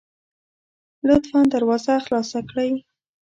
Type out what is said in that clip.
لطفا دروازه خلاصه کړئ